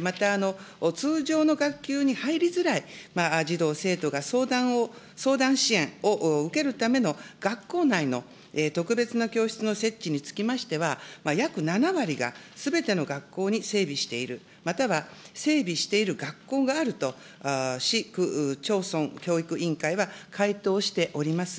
また、通常の学級に入りづらい児童・生徒が相談支援を受けるための学校内の特別な教室の設置につきましては、約７割がすべての学校に整備している、または整備している学校があると、市区町村教育委員会は回答しております。